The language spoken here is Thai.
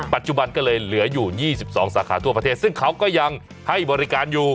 ปัจจุบันก็เลยเหลืออยู่๒๒สาขาทั่วประเทศซึ่งเขาก็ยังให้บริการอยู่